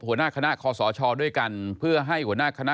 หัวหน้าคณะคอสชด้วยกันเพื่อให้หัวหน้าคณะ